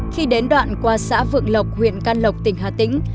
khi đến đoạn qua xã vượng lộc huyện can lộc tỉnh hà tĩnh